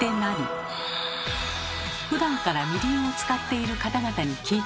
ふだんからみりんを使っている方々に聞いてみました。